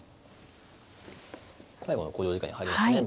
最後の考慮時間に入りましたね。